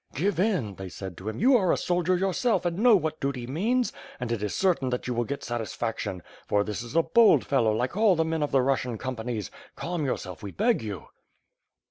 "Give in," they said to him, "you are a soldier yourself and know what duty means, and it is certain that you will get sat isfaction; for this is a bold fellow like all the men of the Rus sian companies. Calm yourself, we beg you."